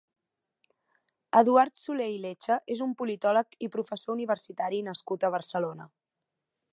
Eduard Soler i Lecha és un politòleg i professor universitari nascut a Barcelona.